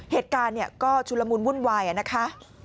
เหตุการณ์เนี่ยก็ชุลมุนวุ่นวายนะคะ